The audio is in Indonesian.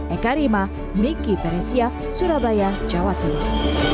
eka rima miki peresia surabaya jawa timur